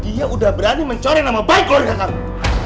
dia udah berani mencoreng nama baik warga kamu